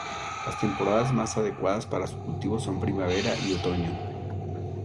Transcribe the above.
Las temporadas más adecuadas para su cultivo son primavera y otoño.